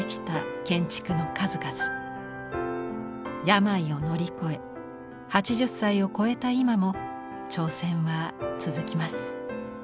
病を乗り越え８０歳を超えた今も挑戦は続きます。